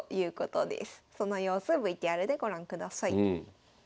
その様子ＶＴＲでご覧ください。